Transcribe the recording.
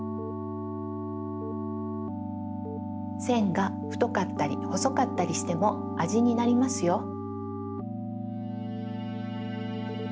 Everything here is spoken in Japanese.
せんがふとかったりほそかったりしてもあじになりますよ。